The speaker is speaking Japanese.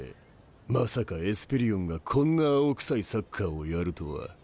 まさかエスペリオンがこんな青臭いサッカーをやるとは。